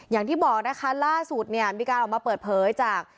อย่างที่บอกนะคะล่าสุดเนี่ยมีการออกมาเปิดเผยจาก